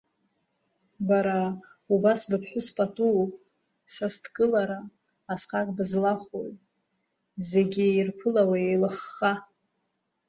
Бара убас быԥҳәыс патууп, Сасдкылара асҟак бызлахәои, зегь ирԥылауа еилыхха?!